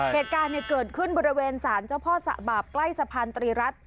เหตุการณ์เกิดขึ้นบริเวณสารเจ้าพ่อสะบาปใกล้สะพานตรีรัฐ